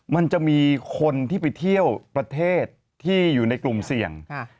มันจะมีคนที่ไปเที่ยวประเทศที่อยู่ในกลุ่มเสี่ยง